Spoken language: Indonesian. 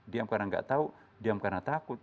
diam karena nggak tahu diam karena takut